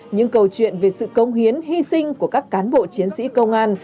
những câu chuyện về sự công hiến hy sinh của các cán bộ chiến sĩ công an